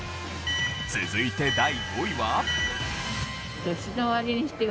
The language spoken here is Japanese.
続いて第５位は。